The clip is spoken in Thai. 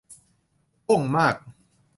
บ๊งมาก